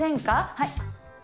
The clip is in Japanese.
はい。